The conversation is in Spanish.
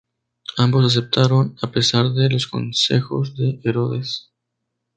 Ambos aceptaron a pesar de los consejos de Herodes.